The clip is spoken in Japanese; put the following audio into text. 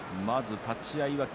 立ち合い霧